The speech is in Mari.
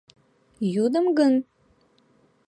Йӱдым гын?